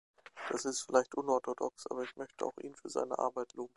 Das ist vielleicht unorthodox, aber ich möchte auch ihn für seine Arbeit loben.